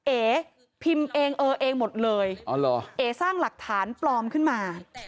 เอ๋พิมพ์เองเออเองหมดเลยเอ๋สร้างหลักฐานปลอมขึ้นมา